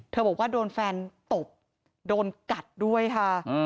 บอกว่าโดนแฟนตบโดนกัดด้วยค่ะ